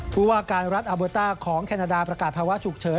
ผู้ว่าการรัฐอาเบอร์ต้าของแคนาดาประกาศภาวะฉุกเฉิน